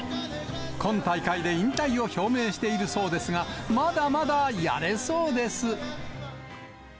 今大会で引退を表明しているそうですが、まだまだやれそうです。